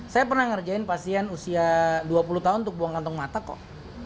saya pernah ngerjain pasien usia dua puluh tahun untuk buang kantong mata kok